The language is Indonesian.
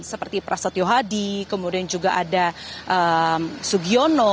seperti prasetyo hadi kemudian juga ada sugiono